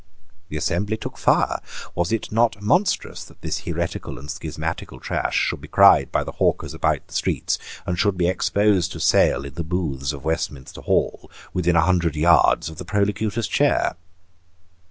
The assembly took fire. Was it not monstrous that this heretical and schismatical trash should be cried by the hawkers about the streets, and should be exposed to sale in the booths of Westminster Hall, within a hundred yards of the Prolocutor's chair?